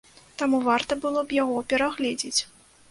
Таму варта было б яго перагледзець.